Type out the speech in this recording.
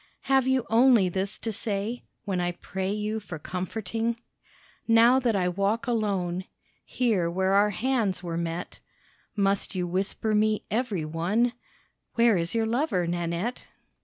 Have you only this to say When I pray you for comforting? Now that I walk alone Here where our hands were met, Must you whisper me every one, "Where is your lover, Nanette?"